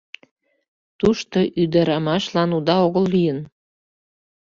Тушто ӱдырамашлан уда огыл лийын.